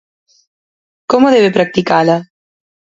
¿Como debe practicala?